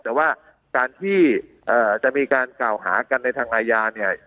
แต่ว่าการที่จะมีการกล่าวหากันในทางอาญาเนี่ย